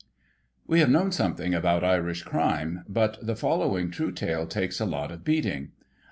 We have known something about Irish crime, but the follow ing true tale takes a lot of beating.